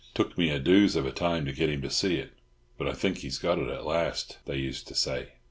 "Took me a doose of a time to get him to see it, but I think he has got it at last," they used to say.